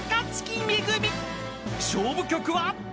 ［勝負曲は］